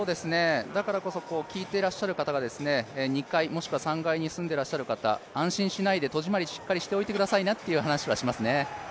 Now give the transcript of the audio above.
だからこそ聞いてらっしゃる方が、２階、あるいは３階に住んでらっしゃる方がいれば安心しないで戸締まりしっかりしておいてくださいねという話はしますね。